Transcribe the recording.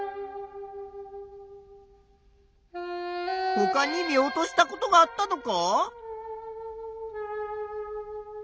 ほかに見落としたことがあったのか？